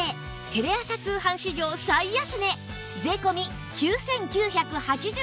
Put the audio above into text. テレ朝通販史上最安値税込９９８０円です